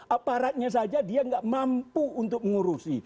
aparatnya saja dia nggak mampu untuk mengurusi